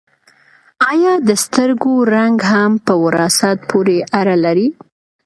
ایا د سترګو رنګ هم په وراثت پورې اړه لري